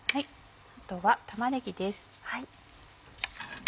あとは玉ねぎです。